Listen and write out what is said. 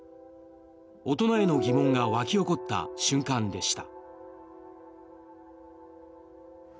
大人への疑問が湧き起こった瞬間でした。